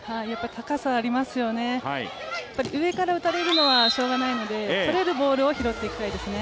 高さがありますよね、上から打たれるのはしようがないので取れるボールを拾っていきたいですね。